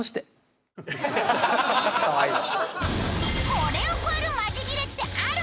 これを超えるマジギレってある？